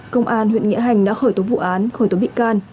công an huyện nghĩa hành đã khởi tố vụ án khởi tố bị can